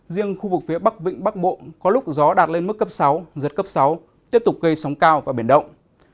riêng khu vực phía bắc vịnh bắc bộ có lúc gió đạt lên mức cấp sáu giật cấp sáu tiếp tục gây sóng cao và biển động